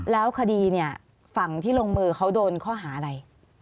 แล้วคดีเนี่ยฝั่งที่ลงมือเขาโดนข้อหาอะไร